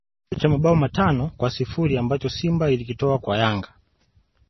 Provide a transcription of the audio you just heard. Kipigo cha mabao matano kwa sifuri ambacho Simba ilikitoa kwa Yanga